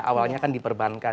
awalnya kan di perbankan